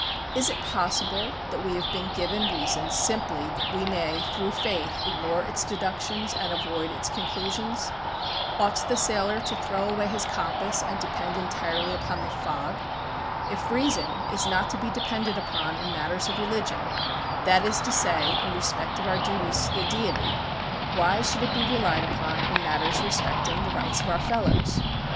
Is it possible that we have been given reason simply that we may through faith ignore its deductions, and avoid its conclusions? Ought the sailor to throw away his compass and depend entirely upon the fog? If reason is not to be depended upon in matters of religion, that is to say, in respect of our duties to the Deity, why should it be relied upon in matters respecting the rights of our fellows?